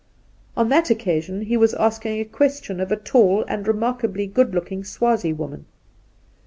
On that occasion he was asking a question of a tall and remarkably good looking Swazie woman.